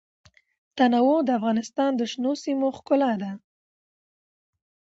تنوع د افغانستان د شنو سیمو ښکلا ده.